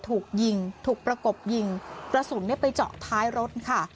ถูกยิงถูกประกบยิงกระสุนไปเจาะท้ายรถค่ะ